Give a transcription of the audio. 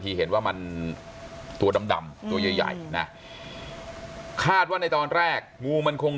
ที่เห็นว่ามันตัวดำตัวใหญ่นะคาดว่าในตอนแรกงูมันคง